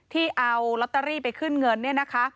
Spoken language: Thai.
ที่เอาลอตเตอรี่ไปขึ้นเงิน